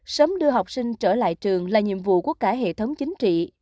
sớm đưa học sinh trở lại trường là nhiệm vụ của cả hệ thống chính trị